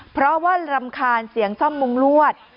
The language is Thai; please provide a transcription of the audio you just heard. เพราะว่ารำคาญเสียงซ่อมมุงลวด